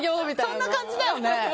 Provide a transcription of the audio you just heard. そんな感じだよね。